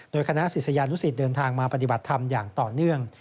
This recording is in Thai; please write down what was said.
โดยคณะศิษยานุสิตเดินทางมาปฏิบัติธรรมอย่างต่อเนื่อง